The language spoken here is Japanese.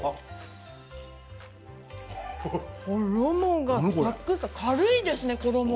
衣がサクサク軽いですね。